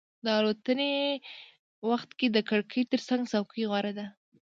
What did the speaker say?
د الوتنې وخت کې د کړکۍ ترڅنګ څوکۍ غوره ده.